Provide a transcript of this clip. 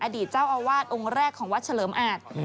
อดีตเจ้าอาวาสองค์แรกของวัดเฉลิมอาจ